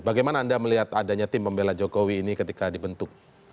bagaimana anda melihat adanya tim pembela jokowi ini ketika dibentuk